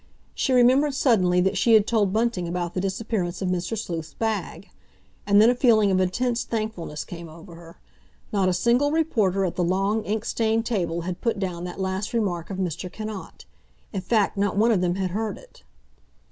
She remembered suddenly that she had told Bunting about the disappearance of Mr. Sleuth's bag. And then a feeling of intense thankfulness came over her; not a single reporter at the long, ink stained table had put down that last remark of Mr. Cannot. In fact, not one of them had heard it.